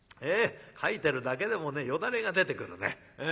書いてるだけでもねよだれが出てくるね。